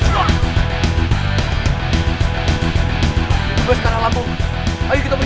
tuhan tidak mau berhubung